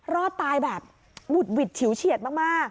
รอดตายแบบบุดหวิดฉิวเฉียดมาก